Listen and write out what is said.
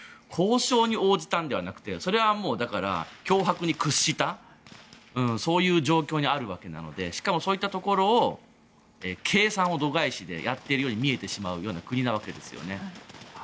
交渉に応じたんではなくてそれはもう脅迫に屈したそういう状況にあるわけなのでしかも、そういったところの計算を度外視でやっているように見えてしまう国なわけですよね。